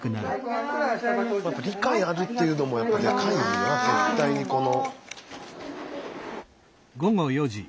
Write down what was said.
理解あるっていうのもやっぱりでかいよな絶対にこの。